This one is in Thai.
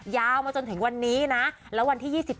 ยาวมาจนถึงวันนี้นะแล้ววันที่๒๓